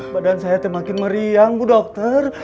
badan saya semakin meriang bu dokter